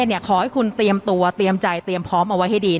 ขอให้คุณเตรียมตัวเตรียมใจเตรียมพร้อมเอาไว้ให้ดี